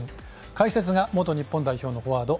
解説が元日本代表のフォワード